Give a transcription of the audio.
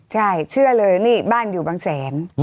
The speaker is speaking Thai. ใช่เชื่อเลยนี่บ้านอยู่บางแสน